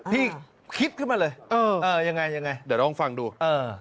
คิดขึ้นมาเลยเออยังไงยังไงเดี๋ยวลองฟังดูเออ